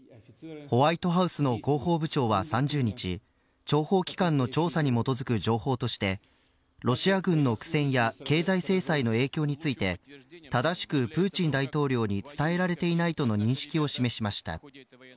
ホワイトハウスの広報部長は３０日諜報機関の調査に基づく情報としてロシア軍の苦戦や経済制裁の影響について正しくプーチン大統領に伝えられていないとの認識を示しました。